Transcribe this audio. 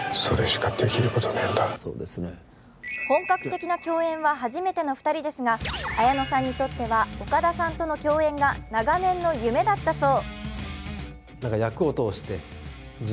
本格的な共演は初めての２人ですが綾野さんにとっては岡田さんとの共演が長年の夢だったそう。